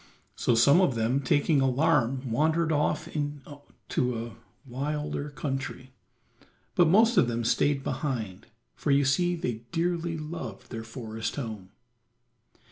So some of them taking alarm wandered off into a wilder country, but most of them stayed behind, for you see they dearly loved their forest home.